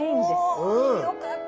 よかった。